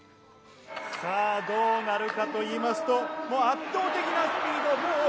さあ、どうなるかと言いますと、圧倒的なスピード。